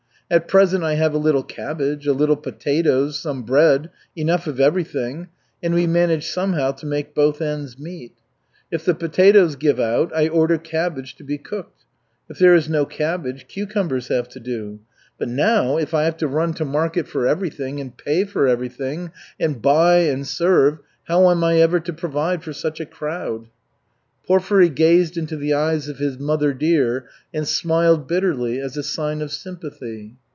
At present I have a little cabbage, a little potatoes, some bread, enough of everything; and we manage somehow to make both ends meet. If the potatoes give out, I order cabbage to be cooked; if there is no cabbage, cucumbers have to do. But now, if I have to run to market for everything and pay for everything, and buy and serve, how am I ever to provide for such a crowd?" Porfiry gazed into the eyes of his "mother dear" and smiled bitterly as a sign of sympathy.